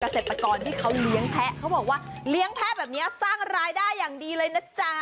เกษตรกรที่เขาเลี้ยงแพะเขาบอกว่าเลี้ยงแพะแบบนี้สร้างรายได้อย่างดีเลยนะจ๊ะ